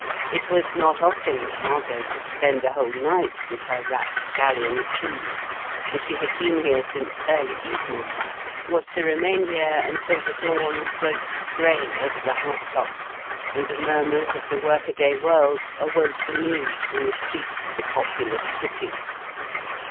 It was not often that Margot could spend a whole night with her rapscallion crew, and she had been here since early evening was to remain here until the dawn broke grey over the house tops and the murmurs of the workaday world awoke anew in the streets of the populous city.